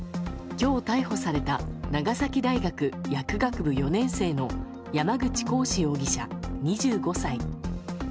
今日逮捕された長崎大学薬学部４年生の山口鴻志容疑者、２５歳。